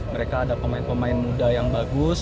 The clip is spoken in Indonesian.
mereka ada pemain pemain muda yang bagus